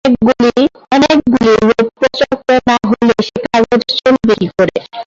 অনেকগুলি রৌপ্যচক্র না হলে সে কাগজ চলবে কী করে।